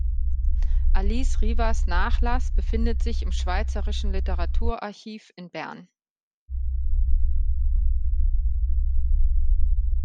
Alice Rivaz’ Nachlass befindet sich im Schweizerischen Literaturarchiv in Bern.